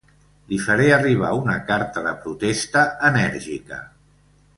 Li faré arribar una carta de protesta enèrgica.